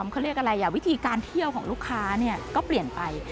เขาเรียกอะไรวิธีการเที่ยวของลูกค้าก็เปลี่ยนไป